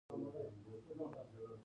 دښتې د افغانانو ژوند اغېزمن کوي.